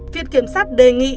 việc kiểm sát đề nghị